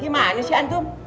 gimana sih antum